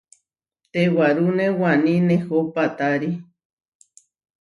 Tewarúne waní nehó paʼtári.